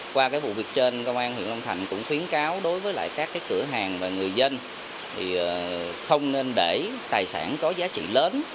qua cái vụ việc trên công an huyện long thành cũng khuyến cáo đối với lại các cửa hàng và người dân thì không nên để tài sản có giá trị lớn